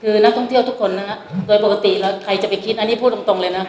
คือนักท่องเที่ยวทุกคนนะฮะโดยปกติแล้วใครจะไปคิดอันนี้พูดตรงเลยนะ